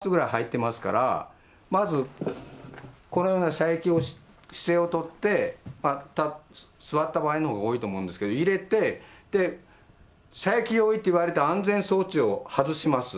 それは１つの入れ物、弾倉の中に５発ぐらい入ってますから、まず、このような射撃の姿勢を取って、座った場合の方が多いと思うんですけど、入れて、射撃用意と言われて、安全装置を外します。